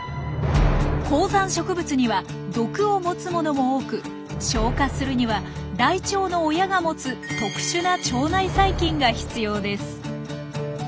高山植物には毒を持つものも多く消化するにはライチョウの親が持つ特殊な腸内細菌が必要です。